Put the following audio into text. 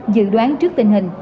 dự đoán trước tình hình